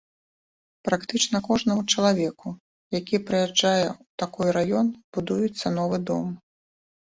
Практычна кожнаму чалавеку, які прыязджае ў такой раён, будуецца новы дом.